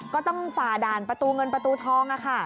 ก็ต้องฝ่าด่านประตูเงินประตูท้องค่ะ